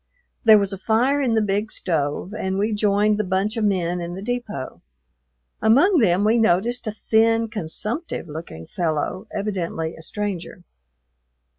There was a fire in the big stove, and we joined the bunch of men in the depot. Among them we noticed a thin, consumptive looking fellow, evidently a stranger.